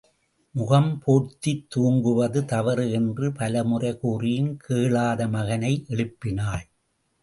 முகம் போர்த்தித் தூங்குவது தவறு என்று பல முறை கூறியும் கேளாத மகனை எழுப்பினாள்.